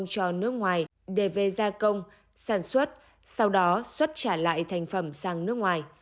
cho nước ngoài để về gia công sản xuất sau đó xuất trả lại thành phẩm sang nước ngoài